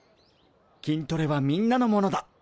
筋トレはみんなのものだ！